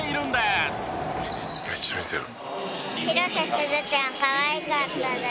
「めっちゃ見てる」